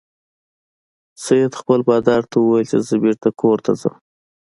سید خپل بادار ته وویل چې زه بیرته کور ته ځم.